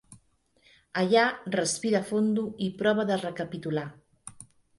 Allà respira fondo i prova de recapitular.